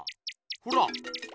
ほら。